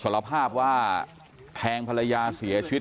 กลุ่มตัวเชียงใหม่